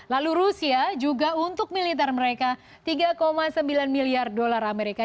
lalu rusia juga untuk militer mereka tiga sembilan miliar dolar amerika